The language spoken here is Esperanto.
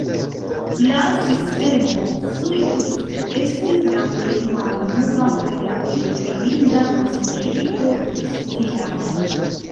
La sistemo Sojuz estis la plej malnova kaj la plej fidinda kosmoŝipo ĝis tiam.